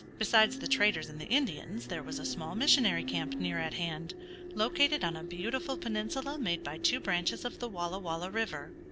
Besides the traders and the Indians there was a small missionary camp near at hand, located on a beautiful peninsula made by two branches of the Walla Walla River.